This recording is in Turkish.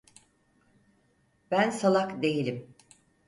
Ben salak değilim.